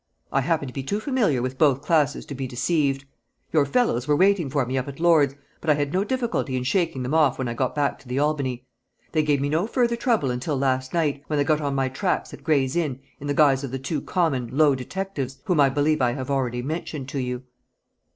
I happen to be too familiar with both classes to be deceived. Your fellows were waiting for me up at Lord's, but I had no difficulty in shaking them off when I got back to the Albany. They gave me no further trouble until last night, when they got on my tracks at Gray's Inn in the guise of the two common, low detectives whom I believe I have already mentioned to you."